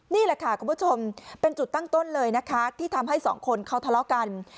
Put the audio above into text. นี่แหละค่ะคุณผู้ชมเป็นจุดตั้งต้นเลยนะคะที่ทำให้สองคนเขาทะเลาะกัน